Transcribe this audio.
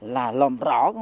là lồn lồn lồn lồn